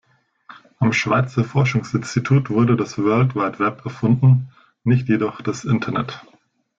Am Schweizer Forschungsinstitut wurde das World Wide Web erfunden, nicht jedoch das Internet.